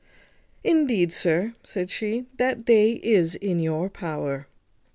"Indeed, sir," said she, "that day is in your own power."